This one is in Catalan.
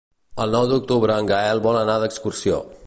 El nou d'octubre en Gaël vol anar d'excursió.